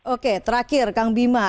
oke terakhir kang bima